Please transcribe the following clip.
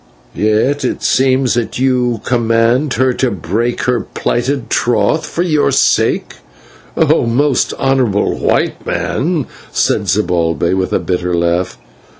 "Yet it seems that you could command her to break her plighted troth for your sake, O most honourable White Man," said Zibalbay with a bitter laugh.